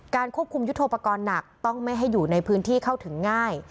ควบคุมยุทธโปรกรณ์หนักต้องไม่ให้อยู่ในพื้นที่เข้าถึงง่าย